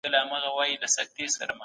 ډېر ځله وچکالی د قحطۍ سبب سوي دي.